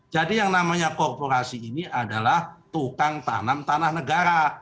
jadi yang namanya korporasi ini adalah tukang tanam tanah negara